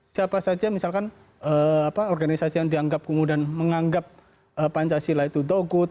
siapa saja misalkan organisasi yang dianggap kemudian menganggap pancasila itu dogut